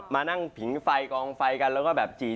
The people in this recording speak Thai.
มานั่งผิงไฟกองไฟกันแล้วก็แบบจีบ